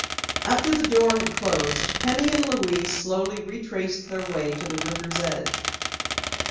After the door had closed, Penny and Louise slowly retraced their way to the river's edge.